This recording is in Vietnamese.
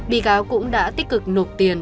bị cáo cũng đã tích cực nộp tiền